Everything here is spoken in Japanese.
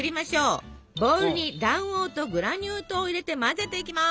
ボウルに卵黄とグラニュー糖を入れて混ぜていきます。